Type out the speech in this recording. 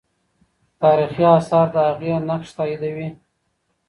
تاریخي آثار د هغې نقش تاییدوي.